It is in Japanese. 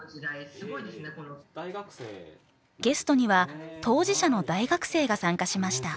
ゲストには当事者の大学生が参加しました。